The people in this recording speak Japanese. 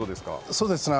そうですね。